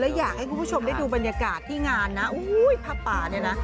และอยากให้คุณผู้ชมได้ดูบรรยากาศที่งานนะอู้ยพระป่านี่นะ